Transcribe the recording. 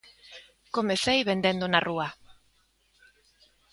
Comecei vendendo na rúa.